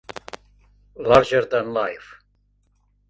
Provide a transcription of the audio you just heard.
"Larger than Live".